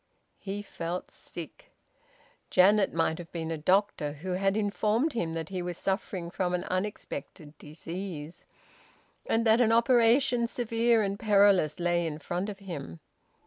He felt sick. Janet might have been a doctor who had informed him that he was suffering from an unexpected disease, and that an operation severe and perilous lay in front of him.